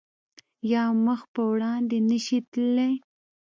یا مخ په وړاندې نه شی تللی